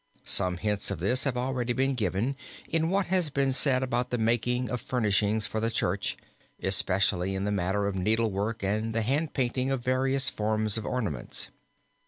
Some hints of this have been already given, in what has been said about the making of furnishings for the church, especially in the matter of needlework and the handpainting of various forms of ornaments.